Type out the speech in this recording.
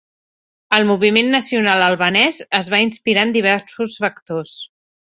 El moviment nacional albanès es va inspirar en diversos factors.